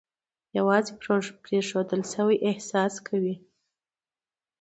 یوازې پرېښودل شوی احساس کوي.